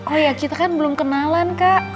oh ya kita kan belum kenalan kak